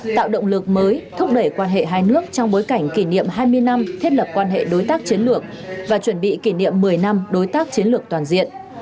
tạo động lực mới thúc đẩy quan hệ hai nước trong bối cảnh kỷ niệm hai mươi năm thiết lập quan hệ đối tác chiến lược và chuẩn bị kỷ niệm một mươi năm đối tác chiến lược toàn diện